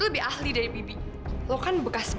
udah airnya dingin lagi